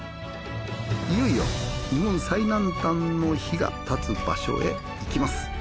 いよいよ日本最南端の碑が建つ場所へ行きます。